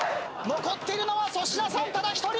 残っているのは粗品さんただ一人！